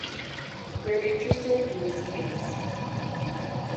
We're interested in this case.